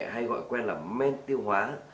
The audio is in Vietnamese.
hay gọi quen là men tiêu hóa